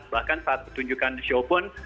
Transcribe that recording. bahkan saat petunjukkan di show pun